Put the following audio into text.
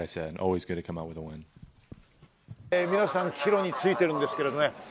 皆さん、帰路についてるんですけどね。